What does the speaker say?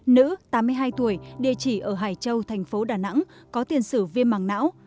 nữ tám mươi hai tuổi địa chỉ ở hải châu thành phố đà nẵng có tiền sử viêm mảng não